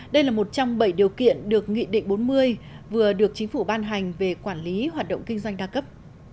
đây là một trong bảy điều kiện được nghị định bốn mươi vừa được chính phủ ban hành về quản lý hoạt động kinh doanh đa cấp